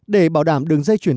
để bảo đảm đường dây chuyển